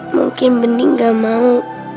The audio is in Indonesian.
mungkin bening gak mau